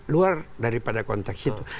luar daripada konteks itu